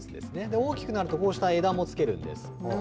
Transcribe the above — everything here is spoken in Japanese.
大きくなるとこうした枝もつけるんです。